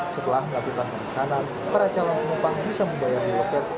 setelah melakukan pemesanan para calon penumpang bisa membayar biloket